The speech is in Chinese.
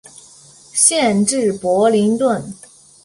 县治伯灵顿。